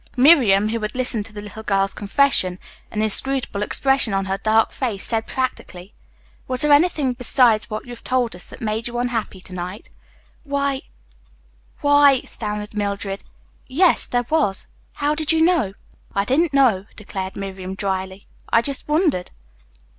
Miriam, who had listened to the little girl's confession, an inscrutable expression on her dark face, said practically, "Was there anything besides what you have told us that made you unhappy to night?" "Why why," stammered Mildred. "Yes, there was. How did you know?" "I didn't know," declared Miriam dryly. "I just wondered."